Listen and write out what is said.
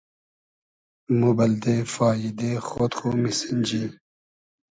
مۉ بئلدې فاییدې خۉد خو میسینجی